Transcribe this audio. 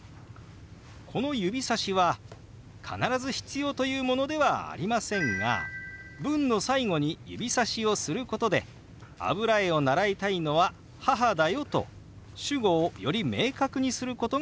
この指さしは必ず必要というものではありませんが文の最後に指さしをすることで「油絵を習いたいのは母だよ」と主語をより明確にすることができます。